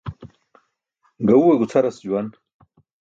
Gaẏuwe gucʰars juwan.